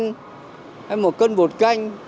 hay một cân bột canh